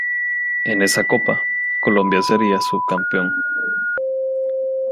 En esa Copa, Colombia sería subcampeón.